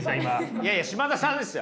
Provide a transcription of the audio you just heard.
いやいや嶋田さんですよ！